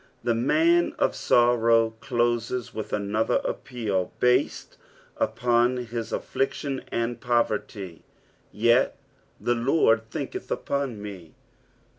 "^This man of sorrows closes with another a))peal, based upon his affliction and poverty. " JV( the Lord thiaketh upon me."